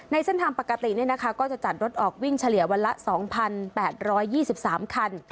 เส้นทางปกติก็จะจัดรถออกวิ่งเฉลี่ยวันละ๒๘๒๓คัน